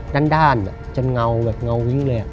ด้านจนเงาแบบเงาวิ้งเลย